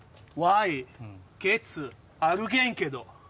アルゲンケド！